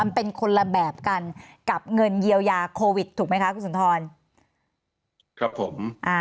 มันเป็นคนละแบบกันกับเงินเยียวยาโควิดถูกไหมคะคุณสุนทรครับผม